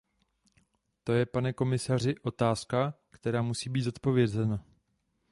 To je, pane komisaři, otázka, která musí být zodpovězena.